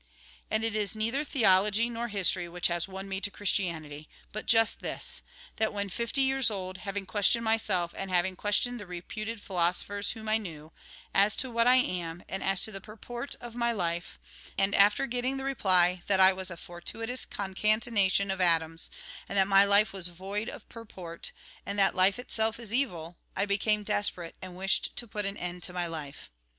And it is neither theology nor history which has won me to Christianity ; but just this, that, when fifty years old, having questioned myself, and having questioned the reputed philosophers whom I knew, as to what I am, and as to the purport of my life, and after getting the reply that I was a fortuitous concatenation of atoms, and that my life was void of purport, and that life itself is evil, I became desperate, and wished to put an end to my life.